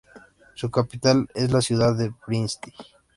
Su capital es la ciudad de Brindisi.